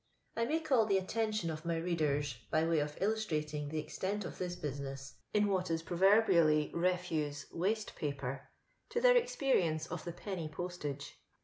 I may coll the attention of my read ers, byway of illustrating the extent of this bust* ness in what is proverbially reftise *'WBste pa per," to their experienee of the penny postage.